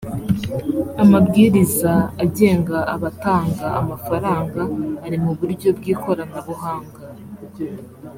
amabwiriza agenga abatanga amafaranga ari mu buryo bw ikoranabuhanga